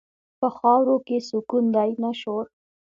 په خاورو کې سکون دی، نه شور.